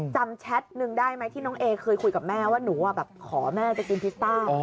จำแชทหนึ่งได้ไหมที่น้องเอคือคุยกับแม่ว่าหนูอ่ะแบบขอแม่จะกินพิซซ่า